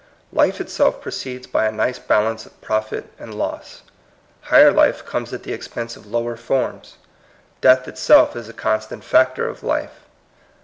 Life itself proceeds by a nice balance of profit and loss. Higher life comes at the expense of lower forms. Death itself is a constant factor of life.